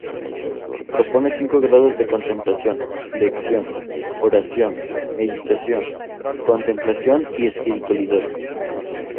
Propone cinco grados de contemplación: lección, oración, meditación, contemplación y espiritualidad.